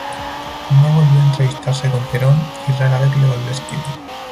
No volvió a entrevistarse con Perón, y rara vez le volvió a escribir.